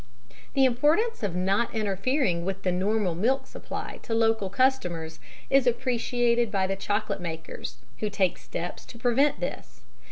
The importance of not interfering with the normal milk supply to local customers is appreciated by the chocolate makers, who take steps to prevent this.